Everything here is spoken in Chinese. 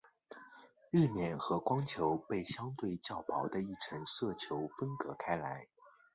日冕和光球被相对较薄的一层色球分隔开来。